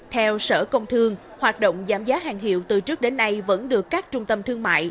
theo sở công thương hoạt động giảm giá hàng hiệu từ trước đến nay vẫn được các trung tâm thương mại